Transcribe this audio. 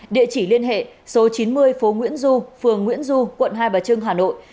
địa chỉ liên hệ số chín mươi phố nguyễn du phường nguyễn du quận hai bà trưng hà nội